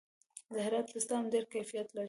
د هرات پسته هم ډیر کیفیت لري.